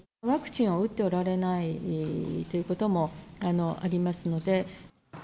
ワクチンを打っておられないということもありますので。